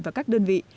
và các đơn vị